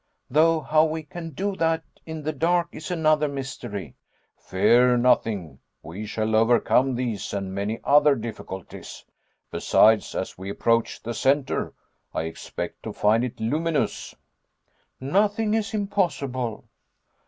Though how we can do that in the dark is another mystery." "Fear nothing. We shall overcome these, and many other difficulties. Besides, as we approach the centre, I expect to find it luminous " "Nothing is impossible."